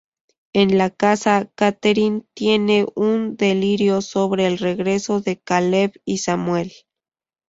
En la casa, Katherine tiene un delirio sobre el regreso de Caleb y Samuel.